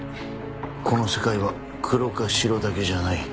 この世界は黒か白だけじゃない。